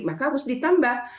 maka harus ditambah